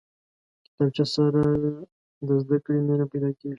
کتابچه سره د زده کړې مینه پیدا کېږي